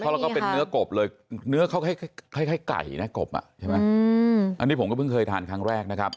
แล้วก็เป็นเนื้อกบเลยเนื้อเขาคล้ายไก่นะกบอ่ะใช่ไหมอันนี้ผมก็เพิ่งเคยทานครั้งแรกนะครับ